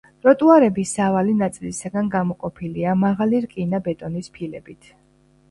ტროტუარები სავალი ნაწილისაგან გამოყოფილია მაღალი რკინა-ბეტონის ფილებით.